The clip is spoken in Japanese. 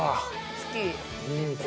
好き。